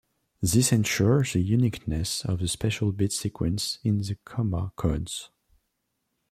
This ensures the uniqueness of the special bit sequence in the comma codes.